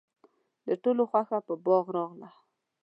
د ټولو خوښه په باغ راغله.